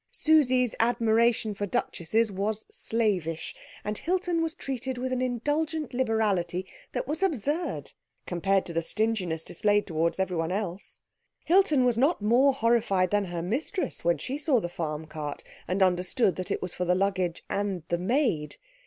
Susie's admiration for duchesses was slavish, and Hilton was treated with an indulgent liberality that was absurd compared to the stinginess displayed towards everyone else. Hilton was not more horrified than her mistress when she saw the farm cart, and understood that it was for the luggage and the maid.